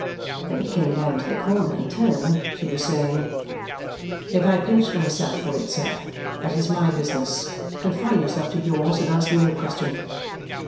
When they came down to the corner and turned, she was saying, 'If I pinch myself for it, sir, that is my business. Confine yourself to yours, and ask me no question.